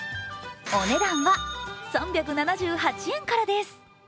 お値段は３７８円からです。